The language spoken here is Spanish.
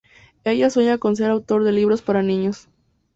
Ella sueña con ser autor de libros para niños.